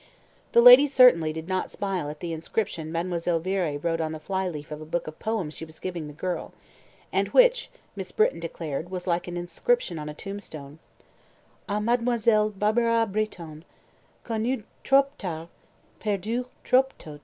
The lady certainly did smile at the inscription Mademoiselle Viré wrote on the fly leaf of a book of poems she was giving the girl, and which, Miss Britton declared, was like an inscription on a tombstone "A Mademoiselle Barbara Britton, _Connue trop tard, perdue trop tôt.